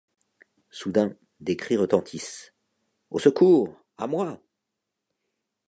Soudain, des cris retentissent :« Au secours à moi